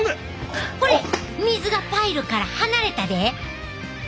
ほれ水がパイルから離れたで！